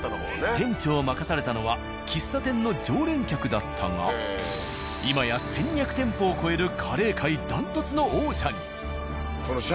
店長を任されたのは喫茶店の常連客だったが今や１，２００店舗を超えるカレー界ダントツの王者に。